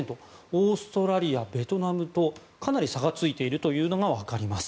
オーストラリア、ベトナムとかなり差がついているというのがわかります。